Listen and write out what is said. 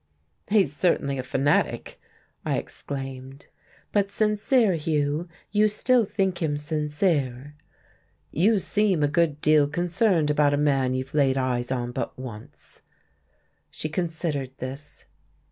"He's certainly a fanatic!" I exclaimed. "But sincere, Hugh you still think him sincere." "You seem a good deal concerned about a man you've laid eyes on but once." She considered this.